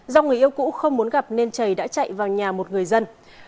do người yêu cũ không muốn gặp nên trầy đã chạy vào nhà một người dân